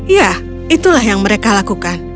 ya itulah yang mereka lakukan